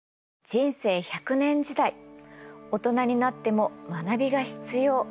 人生１００年時代大人になっても学びが必要。